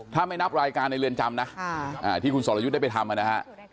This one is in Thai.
ถ้าไม่นับรายการในเรือนจำนะที่คุณสรยุทธ์ได้ไปทำนะฮะ